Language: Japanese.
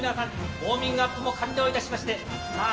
ウォーミングアップも完了いたしましてさあ